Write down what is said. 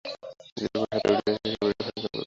যে-বই হাতে উঠে আসে, সে বইটিই খানিকক্ষণ পড়বেন।